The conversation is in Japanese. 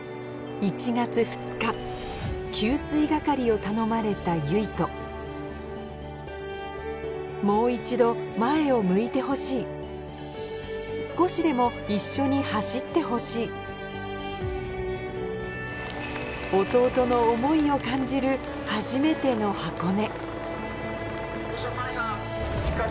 給水係を頼まれた唯翔もう一度前を向いてほしい少しでも一緒に走ってほしい弟の思いを感じる初めての箱根